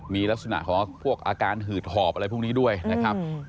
มีลักษณะของพวกอาการหืดหอบอะไรพวกนี้ด้วยนะครับ